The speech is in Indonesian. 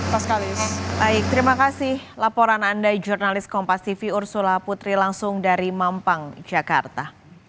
baik terima kasih laporan anda jurnalis kompas tv ursula putri langsung dari mampang jakarta